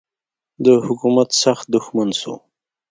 د حکومت سخت دښمن سو.